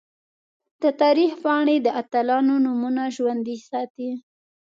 د تاریخ پاڼې د اتلانو نومونه ژوندۍ ساتي.